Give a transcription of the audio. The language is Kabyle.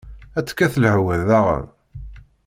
Ad tekkat lehwa daɣen!